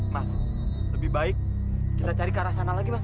mas lebih baik kita cari ke arah sana lagi mas